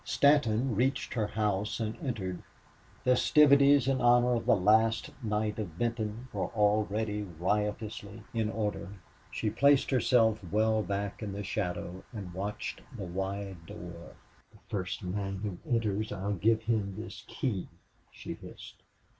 Stanton reached her house and entered. Festivities in honor of the last night of Benton were already riotously in order. She placed herself well back in the shadow and watched the wide door. "The first man who enters I'll give him this key!" she hissed.